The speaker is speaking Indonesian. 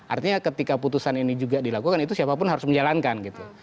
artinya ketika putusan ini juga dilakukan itu siapapun harus menjalankan gitu